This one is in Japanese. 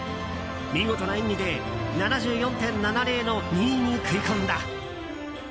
見事な演技で７４．７０の２位に食い込んだ。